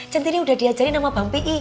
centini udah diajarin sama bang pi